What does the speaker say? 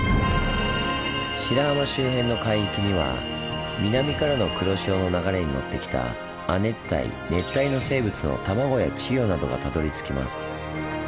白浜周辺の海域には南からの黒潮の流れに乗ってきた亜熱帯・熱帯の生物の卵や稚魚などがたどりつきます。